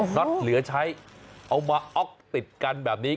็อตเหลือใช้เอามาอ๊อกติดกันแบบนี้